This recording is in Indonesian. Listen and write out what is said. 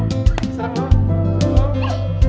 serang kau serang kau